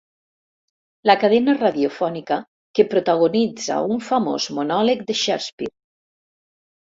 La cadena radiofònica que protagonitza un famós monòleg de Shakespeare.